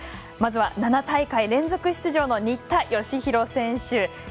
まずは７大会連続出場の新田佳浩選手。